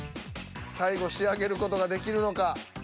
最後仕上げる事ができるのか。